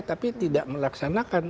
tapi tidak melaksanakan